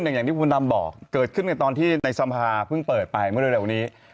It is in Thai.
อย่างที่คุณดำบอกเกิดขึ้นกันตอนที่ในสภาเพิ่งเปิดไปเมื่อเร็วนี้